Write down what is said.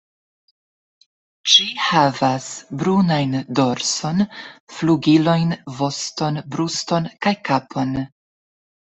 Ĝi havas brunajn dorson, flugilojn, voston, bruston kaj kapon.